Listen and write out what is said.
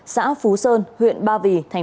xã phú sơn huyện ba vì tp hà nội